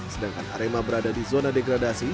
sedangkan arema berada di zona degradasi